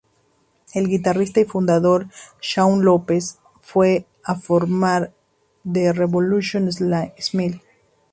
El guitarrista y fundador Shaun Lopez fue a formar The Revolution Smile.